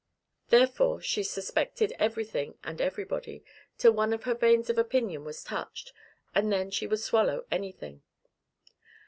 Therefore she suspected everything and everybody, till one of her veins of opinion was touched, and then she would swallow anything.